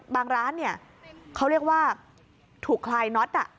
บางร้านเขาเรียกว่าถูกคลายน็อต